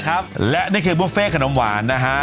ครับและนี่คือบุฟเฟ่ขนมหวานนะฮะ